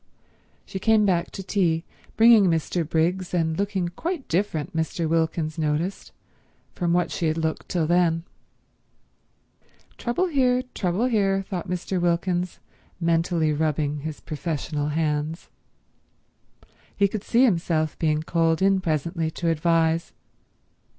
She came back to tea, bringing Mr. Briggs, and looking quite different, Mr. Wilkins noticed, from what she had looked till then. Trouble here, trouble here, thought Mr. Wilkins, mentally rubbing his professional hands. He could see himself being called in presently to advise.